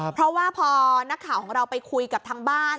เพราะว่าพอนักข่าวของเราไปคุยกับทางบ้าน